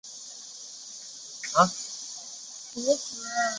腹灯刀光鱼为辐鳍鱼纲巨口鱼目光器鱼科的其中一种。